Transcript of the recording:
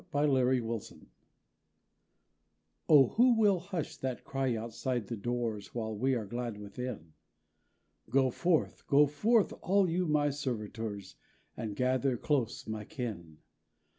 _ THE FEASTER Oh, who will hush that cry outside the doors, While we are glad within? Go forth, go forth, all you my servitors; (And gather close, my kin.)